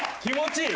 いい！